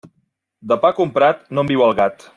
De pa comprat, no en viu el gat.